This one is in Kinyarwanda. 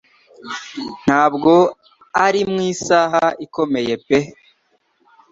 Ntabwo ari mu isaha ikomeye pe